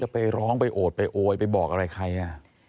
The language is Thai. ไปร้องไปโอดไปโอยไปบอกอะไรใคร